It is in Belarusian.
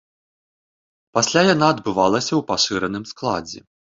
Пасля яна адбывалася ў пашыраным складзе.